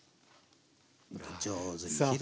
上手に切るなあ。